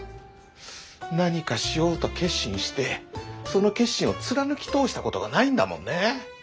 何かしようと決心してその決心を貫き通したことがないんだもんね。